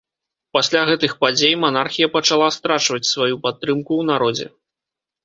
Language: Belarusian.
Пасля гэтых падзей, манархія пачала страчваць сваю падтрымку ў народзе.